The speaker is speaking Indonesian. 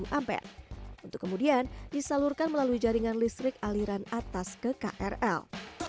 juga juga konsisten di perkembangan metoden disalurkan melalui jaringan listrik aliran atas ke krl